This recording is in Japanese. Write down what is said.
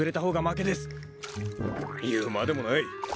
言うまでもない。